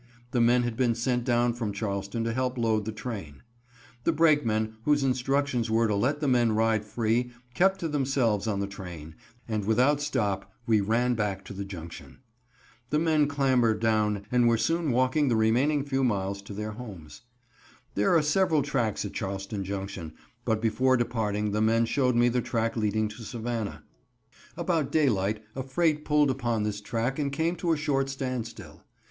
The men had been sent down from Charleston to help load the train. The brakemen, whose instructions were to let the men ride free kept to themselves on the train, and without stop we ran back to the Junction. The men clambered down and were soon walking the remaining few miles to their homes. There are several tracks at Charleston Junction, but before departing the men showed me the track leading to Savannah. About daylight a freight pulled upon this track and came to a short standstill.